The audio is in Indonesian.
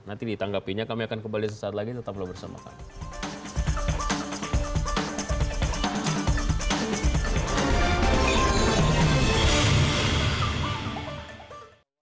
nanti ditanggapinya kami akan kembali sesaat lagi tetaplah bersama kami